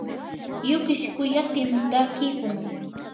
yukish quyatimi takiykun.